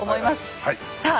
さあ